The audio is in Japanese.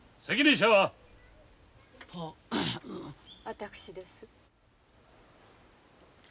私です。